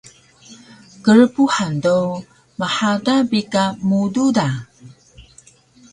Krpuhan do mhada bi ka mudu da